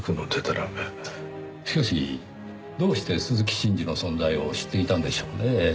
しかしどうして鈴木真治の存在を知っていたんでしょうねぇ。